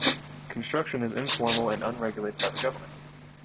Construction is informal and unregulated by the government.